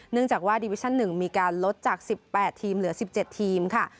จากว่าดิวิชั่น๑มีการลดจาก๑๘ทีมเหลือ๑๗ทีมค่ะ